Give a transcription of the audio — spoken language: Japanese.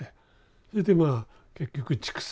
それでまあ結局畜産。